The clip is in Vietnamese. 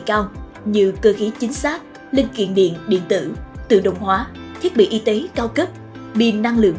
cao như cơ khí chính xác linh kiện điện điện tử tự động hóa thiết bị y tế cao cấp pin năng lượng